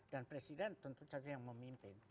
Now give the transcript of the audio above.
dan presiden tentu saja yang memimpin